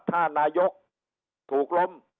ถ้านายกถูกล้ม